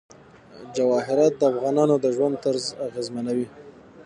جواهرات د افغانانو د ژوند طرز اغېزمنوي.